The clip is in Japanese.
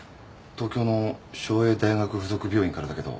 東京の昭英大学付属病院からだけど。